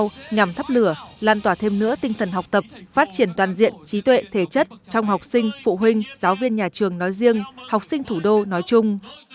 nhằm thắp lửa lan tỏa thêm nữa tinh thần học tập phát triển toàn diện trí tuệ thể chất trong học sinh phụ huynh giáo viên nhà trường nói riêng học sinh thủ đô nói chung